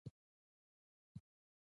هغه د خلکو تر منځ سوله وغوښته.